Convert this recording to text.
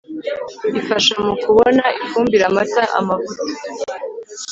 ifasha mu kubona ifumbire, amata, amavuta